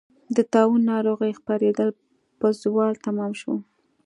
د طاعون ناروغۍ خپرېدل په زوال تمام شو.